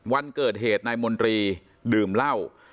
วันเกิดเหตุนายมนตรีดื่มเหล้า